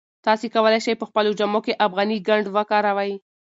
تاسي کولای شئ په خپلو جامو کې افغاني ګنډ وکاروئ.